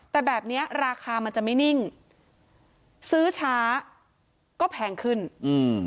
แต่แบบเนี้ยราคามันจะไม่นิ่งซื้อช้าก็แพงขึ้นอืม